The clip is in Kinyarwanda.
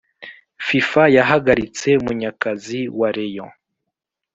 Fifa yahagaritse munyakazi warayon